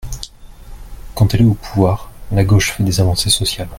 Quand elle est au pouvoir, la gauche fait des avancées sociales.